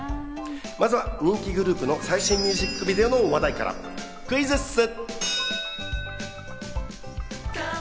まずは人気グループの最新ミュージックビデオの話題からクイズッス！